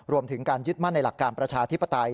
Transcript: รวมถึงการยึดมั่นในหลักการประชาธิปไตย